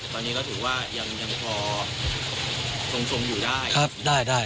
ตอนนี้ก็ถือว่ายังยังพอทรงทรงอยู่ได้ครับได้ได้